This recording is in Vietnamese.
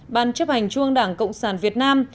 ban chấp hành chuông đảng cộng sản việt nam